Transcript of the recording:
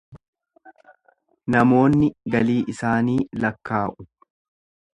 Namoonni galii isaanii lakkaa’u.